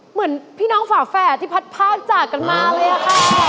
เหมือนพี่น้องฝาแฝดที่พัดพากจากกันมาเลยอะค่ะ